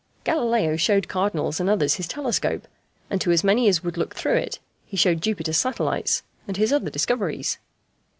Galileo showed cardinals and others his telescope, and to as many as would look through it he showed Jupiter's satellites and his other discoveries.